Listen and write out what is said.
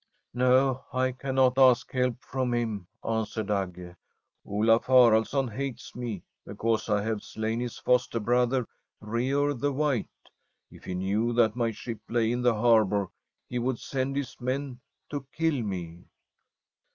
' No, I cannot ask help from him,' answered Agge. ' Olaf Haraldsson hates me because I have slain his foster brother, Reor the White. If he knew that my ship lay in the harbour, he would send his men to kill me.'